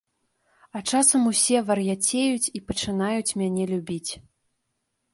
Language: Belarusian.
А часам усе вар'яцеюць і пачынаюць мяне любіць.